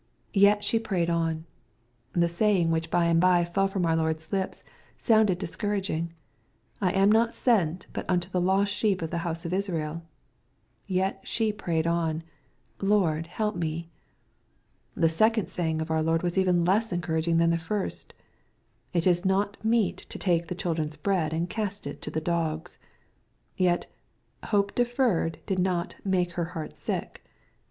Yet she prayed on. — The saying which by and bye fell from our Lord's lips sounded discouraging :^^ I am not sent but unto the lost sheep of the house of Israel." Yet she prayed on, " Lord, help me." The second saying of our Lord was even less encouraging than the first :" It is not meet to take the children's bread, and cast it to the dogs." Yet " hope deferred" did not '* make her heart sick."